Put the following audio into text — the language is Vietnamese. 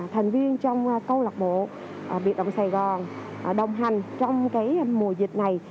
thành viên trong câu lạc bộ biệt động sài gòn đồng hành trong mùa dịch này